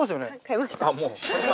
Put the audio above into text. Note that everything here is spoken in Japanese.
買いました。